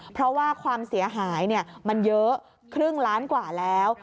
เพราะว่าความเสียหายมันเยอะครึ่งล้านกว่าแล้ว